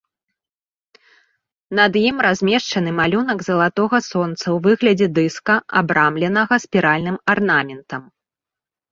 Над ім размешчаны малюнак залатога сонца ў выглядзе дыска, абрамленага спіральным арнаментам.